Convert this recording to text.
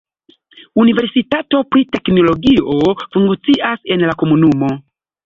Universitato pri teknologio funkcias en la komunumo.